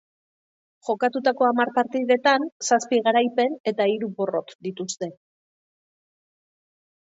Jokatutako hamar partidetan zazpi garaipen eta hiri porrot dituzte.